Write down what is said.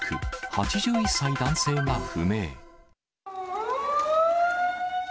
８１歳男性が不明。